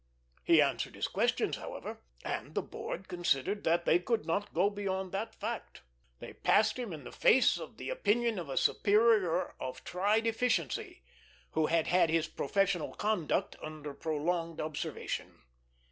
He answered his questions, however; and the board considered that they could not go beyond that fact. They passed him in the face of the opinion of a superior of tried efficiency who had had his professional conduct under prolonged observation.